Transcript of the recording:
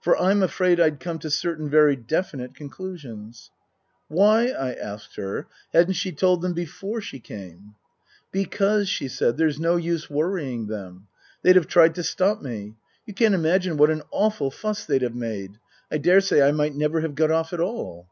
For I'm afraid I'd come to certain very definite conclusions. Book I : My Book 75 Why, I asked her, hadn't she told them before she came ?" Because," she said, " there's no use worrying them. They'd have tried to stop me. You can't imagine what an awful fuss they'd have made. I daresay I might never have got off at all."